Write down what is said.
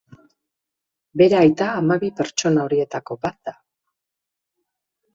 Bere aita hamabi pertsona horietako bat da.